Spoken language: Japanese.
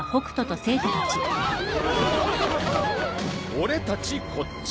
俺たちこっち。